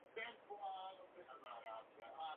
Právo povolat dědice je osobním právem zůstavitele.